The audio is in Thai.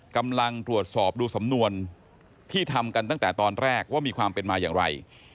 กำลังตรวจสอบดูสำนวนที่ทำกันตั้งแต่ตอนแรกว่ามีความเป็นมาอย่างไร